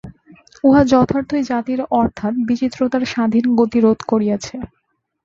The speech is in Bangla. উহা যথার্থই জাতির অর্থাৎ বিচিত্রতার স্বাধীন গতি রোধ করিয়াছে।